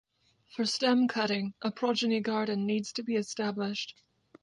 For stem cutting, a progeny garden needs to be established.